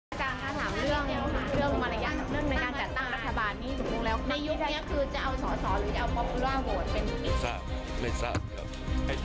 อาจารย์ก็ถามเรื่องเรื่องมรรยาเรื่องในการจัดตั้งรัฐบาลนี้อยู่แล้วครับ